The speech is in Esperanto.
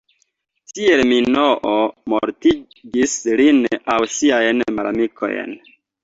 Tiel Minoo mortigis lin aŭ siajn malamikojn.